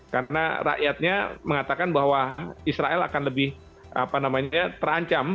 karena rakyatnya mengatakan bahwa israel akan lebih terancam